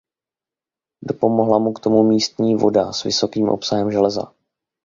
Dopomohla mu k tomu místní voda s vysokým obsahem železa.